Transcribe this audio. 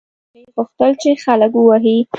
هغې غوښتل چې خلک ووهي.